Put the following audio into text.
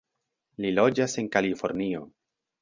Li loĝas en Kalifornio.